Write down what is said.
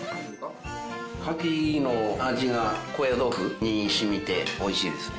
カキの味が高野豆腐に染みておいしいですね。